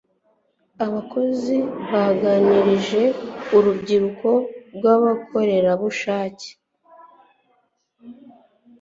abakozi ba baganirije urubyiruko rw'abakorerabushake